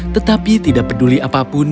tetapi tidak peduli apapun